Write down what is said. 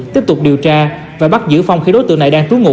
tiếp tục điều tra và bắt giữ phong khi đối tượng này đang trú ngụ